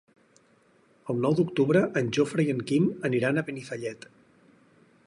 El nou d'octubre en Jofre i en Quim aniran a Benifallet.